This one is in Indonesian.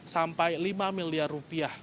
sampai rp lima miliar